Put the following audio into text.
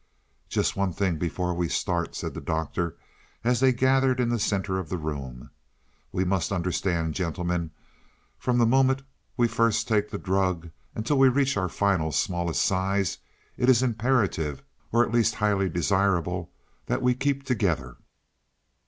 "Just one thing before we start," said the Doctor, as they gathered in the center of the room. "We must understand, gentlemen, from the moment we first take the drug, until we reach our final smallest size, it is imperative, or at least highly desirable, that we keep together.